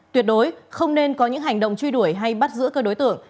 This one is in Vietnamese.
tuyệt đối không nên có những hành động truy đuổi hay bắt giữa cơ đối tượng